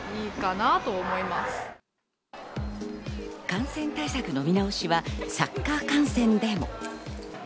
感染対策の見直しはサッカー観戦でも。